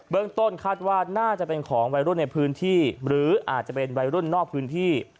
ต้นคาดว่าน่าจะเป็นของวัยรุ่นในพื้นที่หรืออาจจะเป็นวัยรุ่นนอกพื้นที่